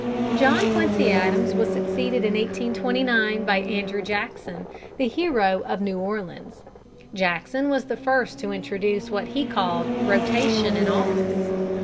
John Quincy Adams was succeeded in 1829 by Andrew Jackson, the hero of New Orleans. Jackson was the first to introduce what he called "rotation in office."